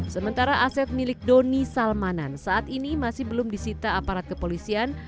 sementara aset milik doni salmanan saat ini masih belum disita aparat kepolisian